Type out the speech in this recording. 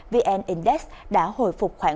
vn index đã hồi phục khoảng ba mươi